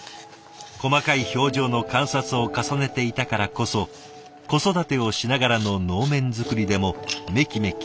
細かい表情の観察を重ねていたからこそ子育てをしながらの能面作りでもメキメキ才能を発揮。